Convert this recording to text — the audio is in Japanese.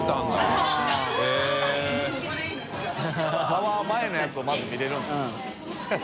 タワー前のやつをまず見れるんですね。